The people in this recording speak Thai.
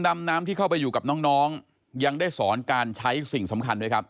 ดำน้ำที่เข้าไปอยู่กับน้องยังได้สอนการใช้สิ่งสำคัญด้วยครับ